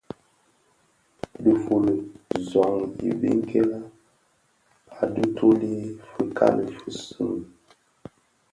Dhifuli zoň i biňkira a dhituli, fikali fi soňi,